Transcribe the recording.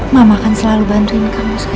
masa kenapa jadi gini